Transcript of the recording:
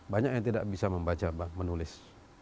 banyak yang tidak bisa membaca menulis